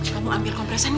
kamu ambil kompresen gak